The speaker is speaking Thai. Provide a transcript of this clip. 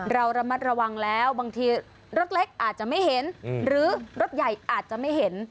เราระมัดระวังแล้วบางทีรถเล็กอาจจะไม่เห็นหรือรถใหญ่อาจจะไม่เห็น